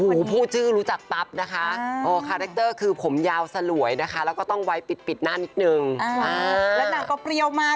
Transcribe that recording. อุ๊ยขอลาบอยากเข้าฟูดก็หลุดชื่อ